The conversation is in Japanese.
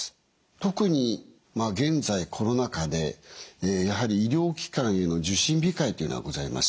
特に現在コロナ禍でやはり医療機関への受診控えというのがございます。